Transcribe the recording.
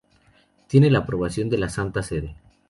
Tiene la aprobación de la Santa Sede.